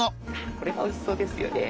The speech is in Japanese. これがおいしそうですよね。